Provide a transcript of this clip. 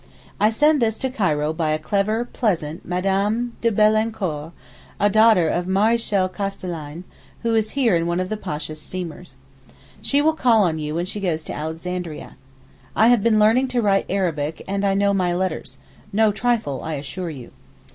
I send this to Cairo by a clever, pleasant Mme. de Beaulaincourt, a daughter of Maréchal Castellane, who is here in one of the Pasha's steamers. She will call on you when she goes to Alexandria. I have been learning to write Arabic, and know my letters—no trifle, I assure you.